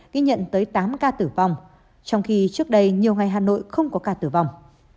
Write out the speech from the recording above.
ghi nhận tới tám ca tử vong trong khi trước đây nhiều ngày hà nội không có ca tử vong